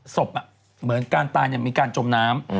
เหมือนการตายมีการจมน้ำ